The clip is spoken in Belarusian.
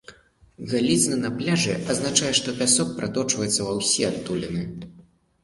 Галізна на пляжы азначае, што пясок праточыцца ва ўсе адтуліны.